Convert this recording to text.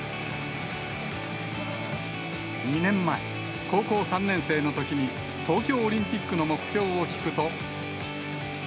２年前、高校３年生のときに、東京オリンピックの目標を聞くと。